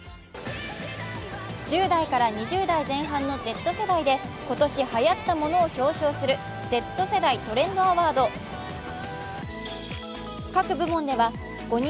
１０代から２０代前半のＺ世代で今年はやったものを表彰するＺ世代トレンドアワード２０２２。